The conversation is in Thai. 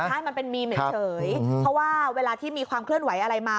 ให้มันเป็นมีเฉยเพราะว่าเวลาที่มีความเคลื่อนไหวอะไรมา